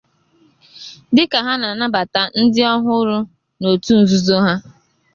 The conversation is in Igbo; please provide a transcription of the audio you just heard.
dịka ha na-anabata ndị ọhụrụ n'otu nzuzo ha.